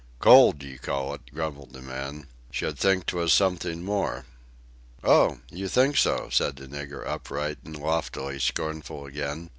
"Cold! you call it," grumbled the man; "should think 'twas something more...." "Oh! you think so," said the nigger upright and loftily scornful again.